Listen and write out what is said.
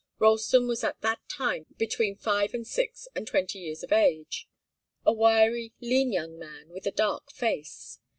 Ralston was at that time between five and six and twenty years of age, a wiry, lean young man, with a dark face.